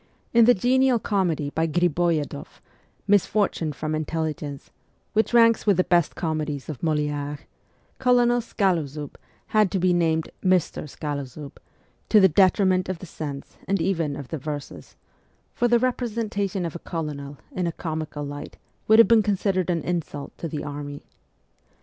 In the genial comedy by Griboyedoff, ' Misfortune from Intelligence/ which ranks with the best comedies of Moliere, Colonel Skaloziib had to be named ' Mr. Skaloziib,' to the detriment of the sense and even of the verses ; for the representation of a colonel in a com ical light would have been considered an insult to the army.